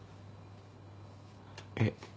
えっ。